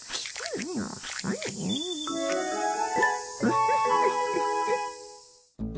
ウフフフフ。